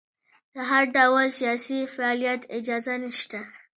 د هر ډول سیاسي فعالیت اجازه نشته.